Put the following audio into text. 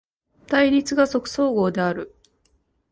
対立が即綜合である。